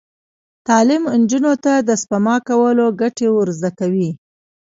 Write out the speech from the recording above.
تعلیم نجونو ته د سپما کولو ګټې ور زده کوي.